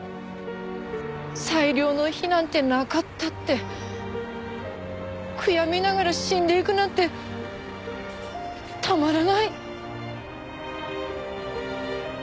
最良の日なんてなかったって悔やみながら死んでいくなんてたまらない。